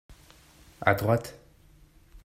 À droite.